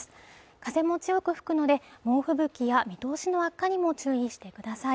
風も強く吹くので猛吹雪や見通しの悪化にも注意してください